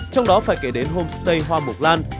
trong đó phải kể đến homestay hoa mộc lan